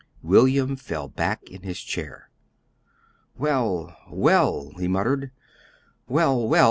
William fell back in his chair. "Well, well," he muttered, "well, well!